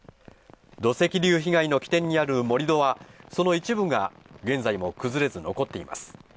土石流被害の起点にある盛り土は、その一部が現在も崩れず残っています。